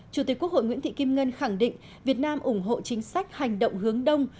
chủ tịch quốc hội nguyễn thị kim ngân khẳng định việt nam ủng hộ chính sách hành động hướng đông